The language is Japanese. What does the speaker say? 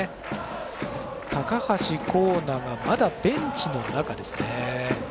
高橋光成がまだベンチの中ですね。